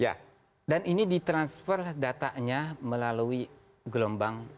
ya dan ini di transfer datanya melalui gelombang